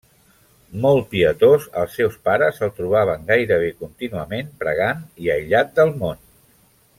Molt pietós, els seus pares el trobaven gairebé contínuament pregant i aïllat del món.